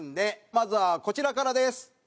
まずはこちらからです。